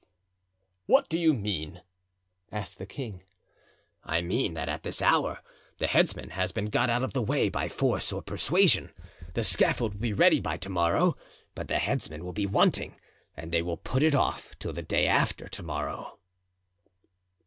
"What do you mean?" asked the king. "I mean that at this hour the headsman has been got out of the way by force or persuasion. The scaffold will be ready by to morrow, but the headsman will be wanting and they will put it off till the day after to morrow."